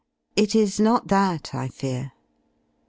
It is not that I fear.